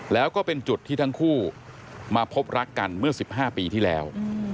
แล้วก็เป็นจุดที่ทั้งคู่มาพบรักกันเมื่อ๑๕ปีที่แล้ว